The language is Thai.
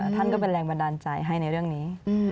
ท่านก็เป็นแรงบันดาลใจให้ในเรื่องนี้